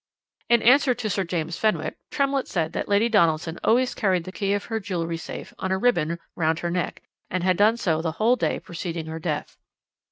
"' "In answer to Sir James Fenwick, Tremlett said that Lady Donaldson always carried the key of her jewel safe on a ribbon round her neck, and had done so the whole day preceding her death.